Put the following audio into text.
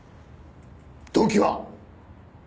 動機は？